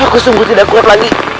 aku sungguh tidak kuat lagi